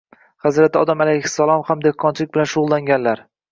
Hazrati Odam alayhissallom ham dehqonchilik bilan shug‘ullanganlar